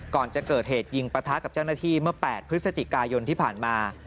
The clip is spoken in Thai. ก่อนจะเกิดเหตุยิงปะทะกับเจ้าหน้าที่เมื่อ๘พฤศจิกายนที่ผ่านมา